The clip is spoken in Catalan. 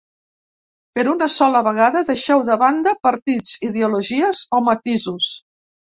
Per una sola vegada deixeu de banda partits, ideologies o matisos.